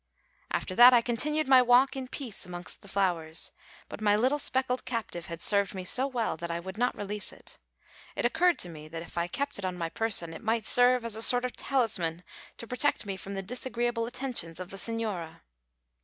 After that I continued my walk in peace amongst the flowers; but my little speckled captive had served me so well that I would not release it. It occurred to me that if I kept it on my person it might serve as a sort of talisman to protect me from the disagreeable attentions of the señora.